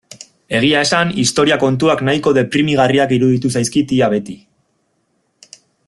Egia esan historia kontuak nahiko deprimigarriak iruditu zaizkit ia beti.